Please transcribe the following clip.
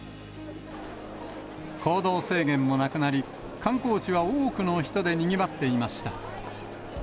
行動制限もなくなり、観光地は多くの人でにぎわっていました。